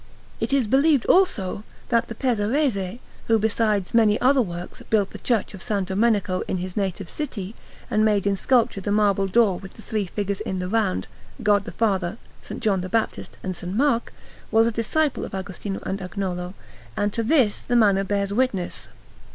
It is believed, also, that the Pesarese, who, besides many other works, built the Church of S. Domenico in his native city, and made in sculpture the marble door with the three figures in the round, God the Father, S. John the Baptist, and S. Mark, was a disciple of Agostino and Agnolo; and to this the manner bears witness.